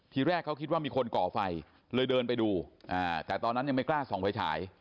ทีแรกเขาคิดว่ามีคนก่อไฟเลยเดินไปดูแต่ตอนนั้นยังไม่กล้าส่องไฟฉาย